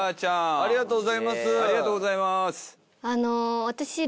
ありがとうございます。